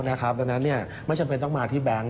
ดังนั้นไม่จำเป็นต้องมาที่แบงค์